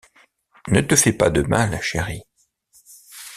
Ne te fais pas de mal, chéri.